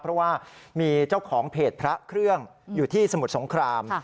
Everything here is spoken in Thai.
เพราะว่ามีเจ้าของเพจพระเครื่องอยู่ที่สมุทรสงคราม